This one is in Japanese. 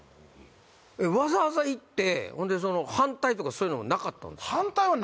わざわざ行ってほんでその反対とかそういうのはなかったんですか？